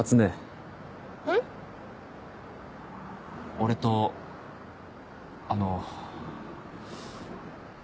俺とあの。